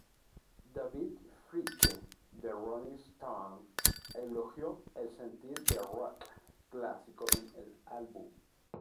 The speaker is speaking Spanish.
David Fricke de "Rolling Stone" elogió el sentir de "rock" clásico en el álbum.